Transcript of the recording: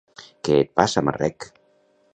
Què et passa, marrec?